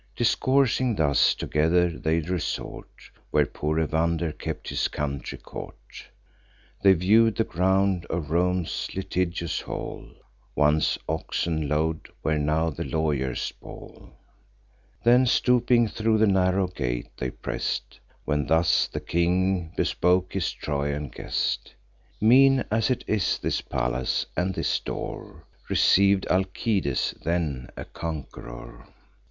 Discoursing thus together, they resort Where poor Evander kept his country court. They view'd the ground of Rome's litigious hall; (Once oxen low'd, where now the lawyers bawl;) Then, stooping, thro' the narrow gate they press'd, When thus the king bespoke his Trojan guest: "Mean as it is, this palace, and this door, Receiv'd Alcides, then a conqueror.